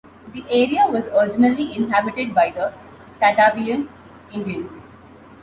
The area was originally inhabited by the Tataviam Indians.